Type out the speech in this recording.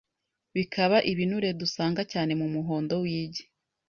bikaba ibinure dusanga cyane mu muhondo w’igi